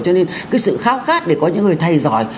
cho nên cái sự khao khát để có những người thầy giỏi